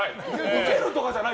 ウケるとかじゃない。